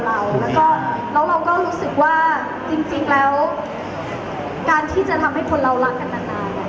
แล้วก็แล้วเราก็รู้สึกว่าจริงแล้วการที่จะทำให้คนเรารักกันนาน